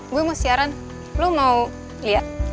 gue mau siaran lo mau lihat